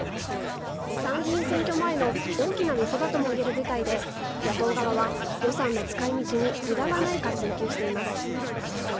参議院選挙前の大きな見せ場ともいえる舞台で、野党側は、予算の使いみちにむだがないか追及しています。